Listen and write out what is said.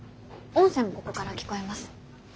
音声もここから聞こえます。